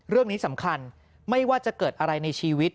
เรื่องนี้สำคัญไม่ว่าจะเกิดอะไรในชีวิต